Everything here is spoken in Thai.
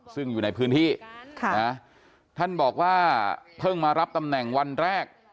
ซึ่งอยู่ในพื้นที่ท่านบอกว่าเพิ่งมารับตำแหน่งวันแรก